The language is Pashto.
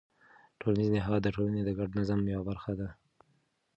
ټولنیز نهاد د ټولنې د ګډ نظم یوه برخه ده.